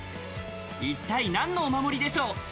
一体何のお守りでしょう？